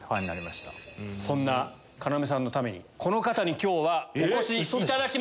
そんな要さんのためにこの方に今日はお越しいただきました。